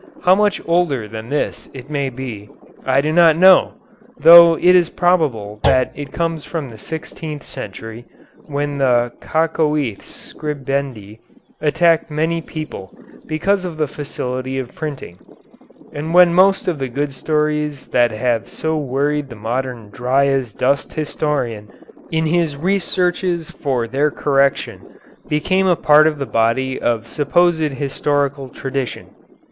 How much older than this it may be I do not know, though it is probable that it comes from the sixteenth century, when the kakoëthes scribendi attacked many people because of the facility of printing, and when most of the good stories that have so worried the modern dry as dust historian in his researches for their correction became a part of the body of supposed historical tradition.